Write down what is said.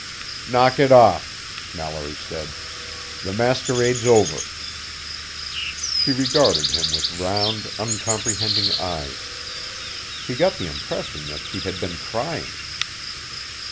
"Knock it off," Mallory said. "The masquerade's over." She regarded him with round uncomprehending eyes. He got the impression that she had been crying.